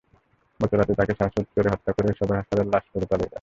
পরে রাতে তাঁকে শ্বাসরোধে হত্যা করে সদর হাসপাতালে লাশ ফেলে পালিয়ে যান।